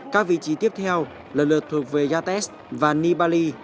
các vị trí tiếp theo lần lượt thuộc về yates và nibali